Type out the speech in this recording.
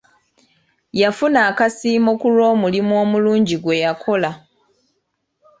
Yafuna akasiimo ku lw'omulimu omulungi gwe yakola.